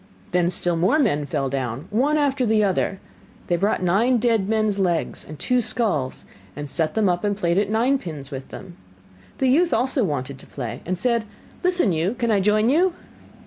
Then still more men fell down, one after the other; they brought nine dead men's legs and two skulls, and set them up and played at nine pins with them. The youth also wanted to play and said: 'Listen you, can I join you?